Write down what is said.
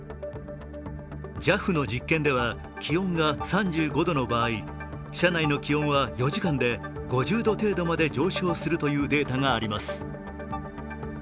ＪＡＦの実験では気温が３５度の場合車内の気温は４時間で５０度程度まで上昇するというデータがあります。